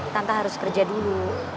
tante harus kerja dulu